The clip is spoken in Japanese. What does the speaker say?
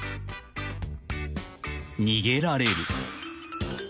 ［逃げられる］